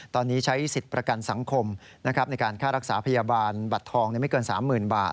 ตอนนี้ใช้สิทธิ์ประกันสังคมในการค่ารักษาพยาบาลบัตรทองไม่เกิน๓๐๐๐บาท